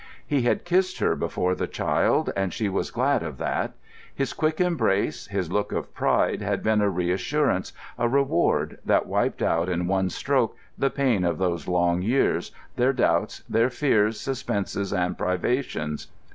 He had kissed her before the child, and she was glad of that. His quick embrace, his look of pride, had been a reassurance, a reward, that wiped out in one stroke the pain of those long years, their doubts, their fears, suspenses, and privations.